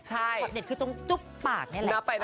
ช็อตเด็ดคือตรงจุ๊บปากนี่แหละ